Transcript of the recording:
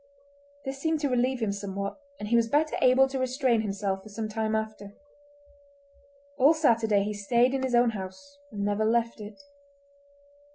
This seemed to relieve him somewhat, and he was better able to restrain himself for some time after. All Saturday he stayed in his own house and never left it.